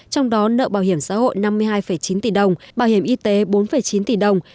trong đó nợ bảo hiểm xã hội năm mươi hai chín tỷ đồng bảo hiểm y tế bốn chín tỷ đồng